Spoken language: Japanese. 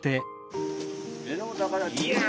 いや！